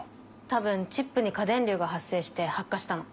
多分チップに過電流が発生して発火したの。